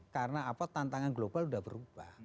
karena apa tantangan global sudah berubah